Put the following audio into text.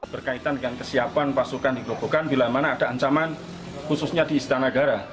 berkaitan dengan kesiapan pasukan di grobogan bila mana ada ancaman khususnya di istanagara